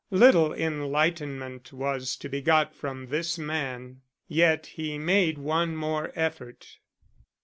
Little enlightenment was to be got from this man. Yet he made one more effort.